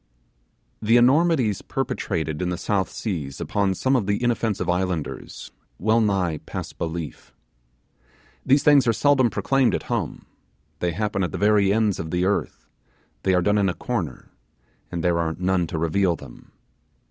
The enormities perpetrated in the South Seas upon some of the inoffensive islanders will nigh pass belief. These things are seldom proclaimed at home; they happen at the very ends of the earth; they are done in a corner, and there are none to reveal them.